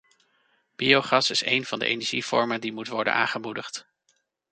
Biogas is een van de energievormen die moet worden aangemoedigd.